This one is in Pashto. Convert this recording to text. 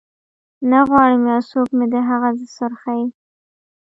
نه غواړم یو څوک مې د هغه د سرخۍ